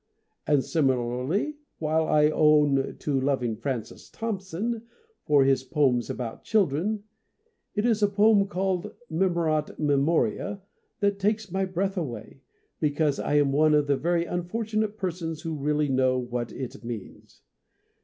And similarly, while I own to loving Francis Thompson for his poems about children, it is a poem called " Memorat Memoria " that takes my breath away, because I am one of the very unfor tunate persons who really know what it means.